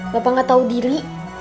bapak gak tau diri